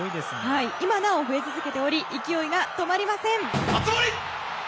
今なお増え続けており勢いが止まりません。